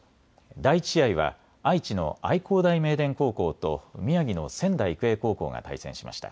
第１試合は愛知の愛工大名電高校と宮城の仙台育英高校が対戦しました。